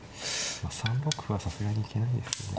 ３六歩はさすがに行けないですよね